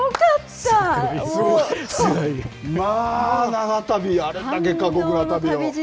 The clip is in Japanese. まあ、長旅、あれだけ過酷な旅を。